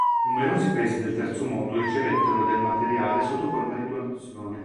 Numerosi paesi del terzo mondo ricevettero del materiale sotto forma di donazione.